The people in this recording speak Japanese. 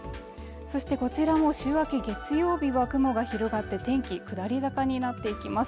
そしてこちらも週明け月曜日は雲が広がって天気下り坂になっていきます